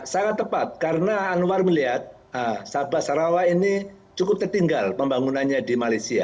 sangat tepat karena anwar melihat sabah sarawak ini cukup tertinggal pembangunannya di malaysia